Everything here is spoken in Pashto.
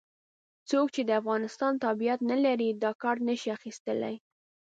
څوک چې د افغانستان تابعیت نه لري دا کارت نه شي اخستلای.